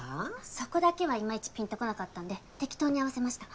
そこだけはいまいちぴんとこなかったんで適当に合わせました。